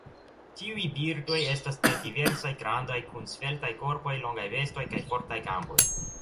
Tiuj birdoj estas de diversaj grandoj kun sveltaj korpoj, longaj vostoj kaj fortaj gamboj.